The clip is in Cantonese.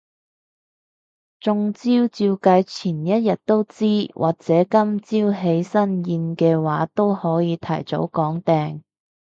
中招照計前一日都知，或者今朝起身驗嘅話都可以提早講定